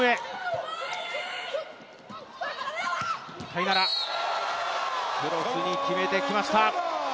タイナラ、クロスに決めてきました。